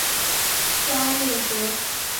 札木合。